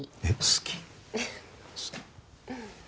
好き？